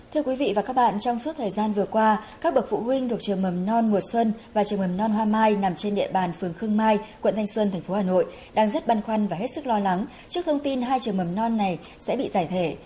thưa quý vị và các bạn trong suốt thời gian vừa qua các bậc phụ huynh thuộc trường mầm non mùa xuân và trường mầm non hoa mai nằm trên địa bàn phường khương mai quận thanh xuân tp hà nội đang rất băn khoăn và hết sức lo lắng trước thông tin hai trường mầm non này sẽ bị giải thể